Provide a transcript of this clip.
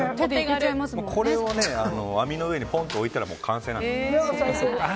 これを網の上に置いたら完成なんです。